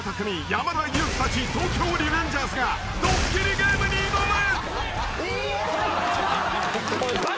山田裕貴たち『東京リベンジャーズ』がドッキリゲームに挑む］